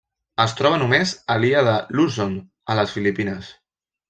Es troba només a l'illa de Luzon a les Filipines.